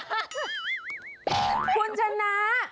คุณชนะ